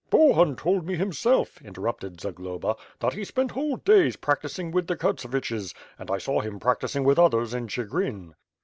"Bohun told me himself," interrupted Zagloba, "that he spent whole days practising with the Kurtseviches and I saw him practising with others in Chigrin."